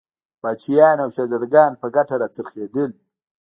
پاچاهانو او شهزادګانو په ګټه را څرخېدل.